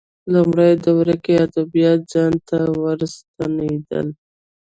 لومړۍ دوره کې ادبیات ځان ته ورستنېدل